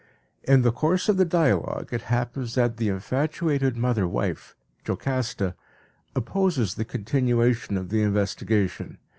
In the course of the dialogue it happens that the infatuated mother wife, Jocasta, opposes the continuation of the investigation.